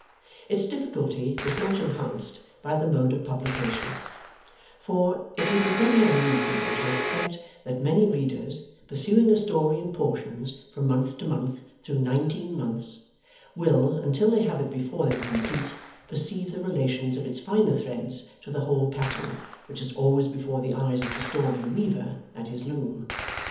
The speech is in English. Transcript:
Its difficulty was much enhanced by the mode of publication; for, it would be very unreasonable to expect that many readers, pursuing a story in portions from month to month through nineteen months, will, until they have it before them complete, perceive the relations of its finer threads to the whole pattern which is always before the eyes of the story weaver at his loom.